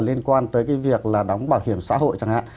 liên quan tới cái việc là đóng bảo hiểm xã hội chẳng hạn